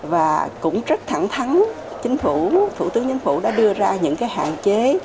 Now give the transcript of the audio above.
và cũng rất thẳng thắng thủ tướng chính phủ đã đưa ra những hạn chế